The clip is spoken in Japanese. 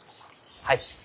はい。